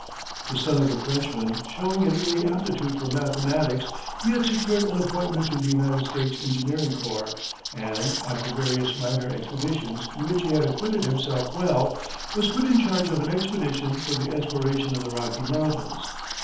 The son of a Frenchman, showing an early aptitude for mathematics, he had secured an appointment to the United States engineering corps, and, after various minor expeditions in which he had acquitted himself well, was put in charge of an expedition for the exploration of the Rocky Mountains.